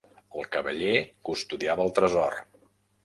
El cavaller custodiava el tresor.